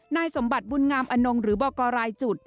นายสมบัติบุญงามอนงหรือบอกกรรายจุด